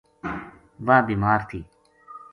واہ بیمار تھی۔